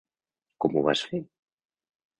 Com ho vas fer?